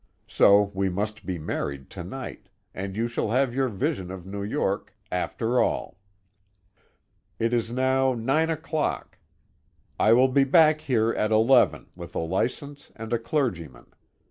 So we must be married to night, and you shall have your vision of New York after all. It is now nine o'clock. I will be back here at eleven, with a license and a clergyman.